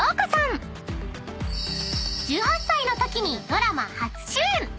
［１８歳のときにドラマ初主演］